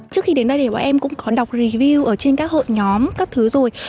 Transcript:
trước khi đến đây thì bọn em cũng có đọc review ở trên các hội nhóm các thứ rồi